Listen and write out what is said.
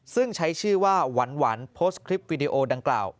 ซึ่งใช้ชื่อว่าหวานโพสต์คลิปวิดีโอดังกล่าว